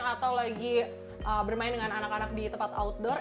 atau lagi bermain dengan anak anak di tempat outdoor